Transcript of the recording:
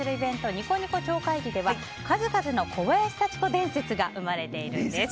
ニコニコ超会議では数々の小林幸子伝説が生まれているんです。